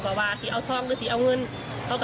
เขาเอาเงินข้าวก่อมาให้ในเมืองแทร็ค